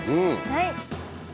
はい。